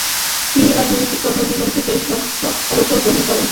তিনি রাজনৈতিক কর্মজীবন থেকে অবসর গ্রহণ করেন।